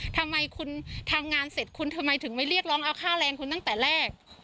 ทำไมคุณทำงานเสร็จคุณทำไมถึงไม่เรียกร้องเอาค่าแรงคุณตั้งแต่แรก